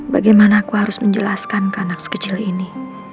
bagaimana aku harus menjelaskan ke anak sekecil ini